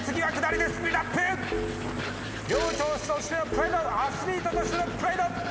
寮長としてのプライドアスリートとしてのプライド！